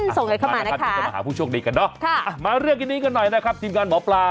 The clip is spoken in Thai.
ส่งให้เข้ามานะคะค่ะมาเรียกอย่างนี้กันหน่อยนะครับทีมงานหมอปลา